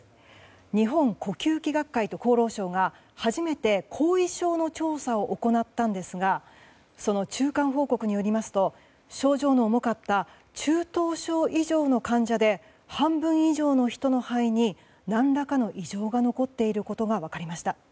日本呼吸器学会と厚労省が初めて後遺症の調査を行ったんですがその中間報告によりますと症状の重かった中等症以上の患者で半分以上の人の肺に何らかの異常が残っていることが分かりました。